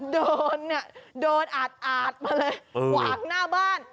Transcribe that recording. เดินอาดมาเลยหวากหน้าบ้าน